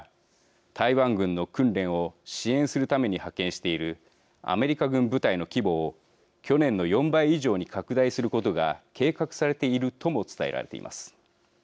台湾軍の訓練を支援するために派遣しているアメリカ軍部隊の規模を去年の４倍以上に拡大することが計画されているとも伝えられています。